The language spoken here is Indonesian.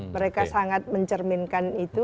mereka sangat mencerminkan itu